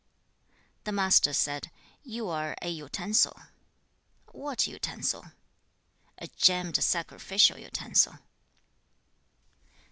The Master said, 'You are a utensil.' 'What utensil?' 'A gemmed sacrificial utensil.'